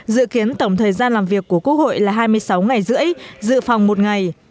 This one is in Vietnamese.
dự kiến tổng thời gian làm việc của quốc hội là hai mươi sáu ngày rưỡi dự phòng một ngày